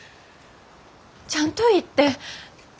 ちゃんと言って。